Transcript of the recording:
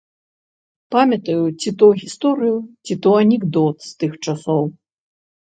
Памятаю ці то гісторыю, ці то анекдот з тых часоў.